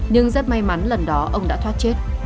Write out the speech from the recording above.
nhưng rất may mắn lần đó ông đã thoát chết